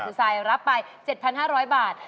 คุณซายรับไป๗๕๐๐บาท